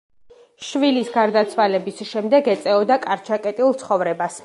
შვილის გარდაცვალების შემდეგ ეწეოდა კარჩაკეტილ ცხოვრებას.